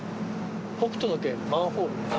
北斗の拳マンホール。